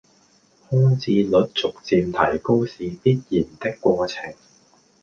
空置率逐漸提高是必然的過程